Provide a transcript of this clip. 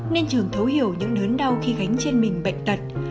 nên trường thấu hiểu những nớn đau khi gánh trên mình bệnh tật